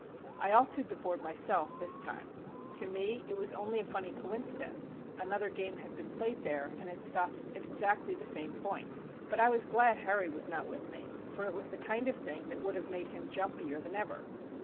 I altered the board myself this time. To me it was only a funny coincidence; another game had been played there and had stopped exactly at the same point. But I was glad Harry was not with me, for it was the kind of thing that would have made him jumpier than ever.